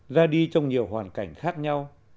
ra đi trong nhiều hoàn cảnh khác nhau